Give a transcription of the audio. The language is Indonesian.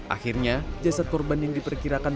akhirnya jasad korban yang diperkirakan